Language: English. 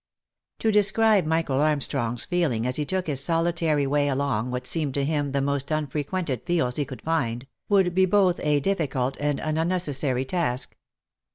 To describe Michael Armstrong's feeling as he took his solitary way along what seemed to him the most unfrequented fields he could find, would be both a difficult and an unnecessary task.